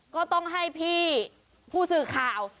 ก็ต้องให้พี่ผู้สื่อข่าว